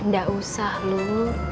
gak usah lu